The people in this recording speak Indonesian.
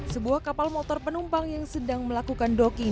sebuah kapal motor penumpang yang sedang melakukan docking